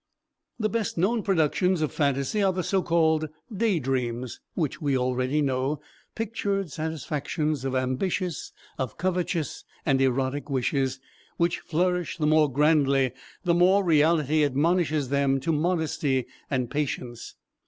The best known productions of phantasy are the so called "day dreams," which we already know, pictured satisfactions of ambitious, of covetous and erotic wishes, which flourish the more grandly the more reality admonishes them to modesty and patience.